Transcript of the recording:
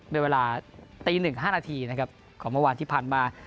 เป็นเวลาตี๑ห้านาทีของเมื่อวานที่ผ่านมา